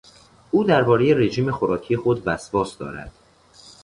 او دربارهی رژیم خوراکی خود وسواس دارد.